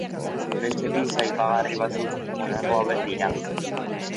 Beste ekintza aipagarri batzuk honako hauek dira.